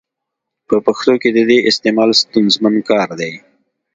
په پښتو کي د ي استعمال ستونزمن کار دی.